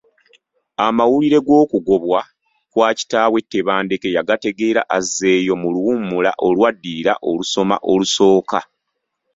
Amawulire g’okugobwa kwa kitaawe Tebandeke yagategeera azzeeyo mu luwummula olwaddirira olusoma olusooka.